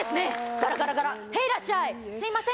ガラガラガラへいいらっしゃいすいません